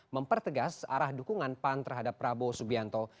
mempertegas arah dukungan pan terhadap prabowo subianto